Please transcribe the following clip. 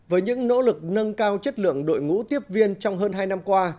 với những nỗ lực nâng cao chất lượng đội ngũ tiếp viên trong hơn hai năm qua